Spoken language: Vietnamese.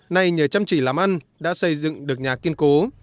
nay nhờ chăm chỉ làm ăn đã xây dựng được nhà kiên cố